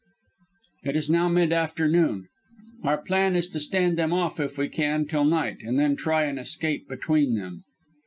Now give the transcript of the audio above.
"It is now mid afternoon. Our plan is to stand them off if we can till night and then to try an escape between them.